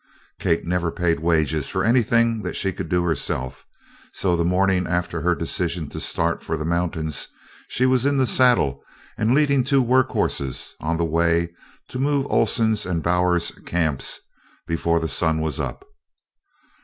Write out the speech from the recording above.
Kate never paid wages for anything that she could do herself, so the morning after her decision to start for the mountains she was in the saddle and leading two work horses on the way to move Oleson's and Bowers's camps before the sun was up.